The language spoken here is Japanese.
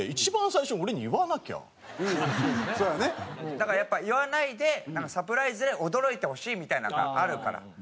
だからやっぱ言わないでサプライズで驚いてほしいみたいなのがあるから。